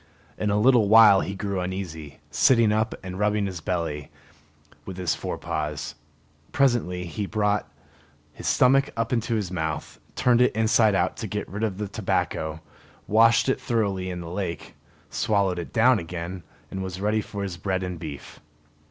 In a little while he grew uneasy, sitting up and rubbing his belly with his fore paws. Presently he brought his stomach up into his mouth, turned it inside out to get rid of the tobacco, washed it thoroughly in the lake, swallowed it down again, and was ready for his bread and beef.